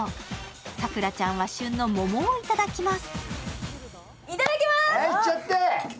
さくらちゃんは旬の桃をいただきます。